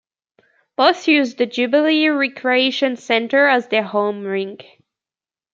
Both use the Jubilee Recreation Centre as their home rink.